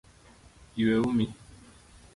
Yue umi